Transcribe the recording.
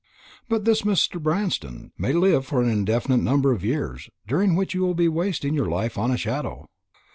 "But this Mr. Branston may live for an indefinite number of years, during which you will be wasting your life on a shadow."